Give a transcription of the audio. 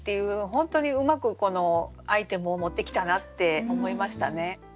本当にうまくこのアイテムを持ってきたなって思いましたね。